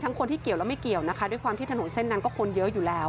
คนที่เกี่ยวและไม่เกี่ยวนะคะด้วยความที่ถนนเส้นนั้นก็คนเยอะอยู่แล้ว